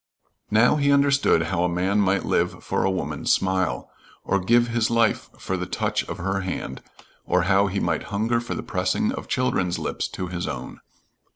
Now he understood how a man might live for a woman's smile, or give his life for the touch of her hand, and how he might hunger for the pressing of children's lips to his own.